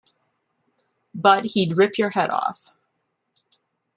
But he'd rip your head off.